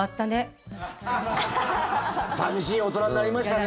寂しい大人になりましたね。